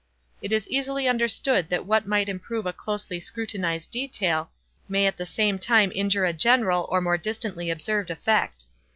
It is easily understood that what might improve a closely scrutinized detail, may at the same time injure a general or more distantly observed effect.